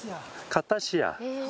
カタシア。